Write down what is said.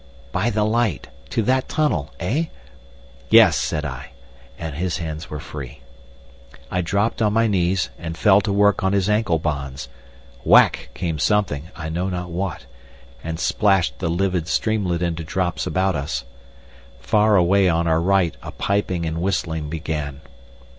"By the light. To that tunnel. Eh?" "Yes," said I, and his hands were free. I dropped on my knees and fell to work on his ankle bonds. Whack came something—I know not what—and splashed the livid streamlet into drops about us. Far away on our right a piping and whistling began.